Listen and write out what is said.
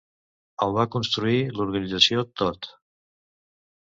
El va construir l'organització Todt.